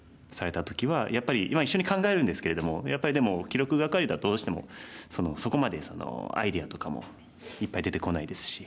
一緒に考えるんですけれどもやっぱりでも記録係だとどうしてもそこまでアイデアとかもいっぱい出てこないですし。